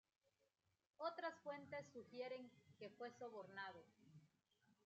Otras fuentes sugieren que fue sobornado.